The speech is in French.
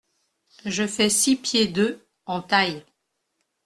Je fais six pieds deux en taille.